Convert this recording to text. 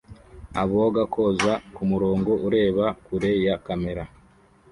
Aboga koga kumurongo ureba kure ya kamera